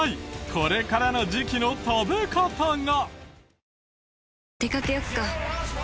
これからの時期の食べ方が。